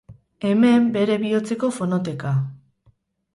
Hemen bere bihotzeko fonoteka.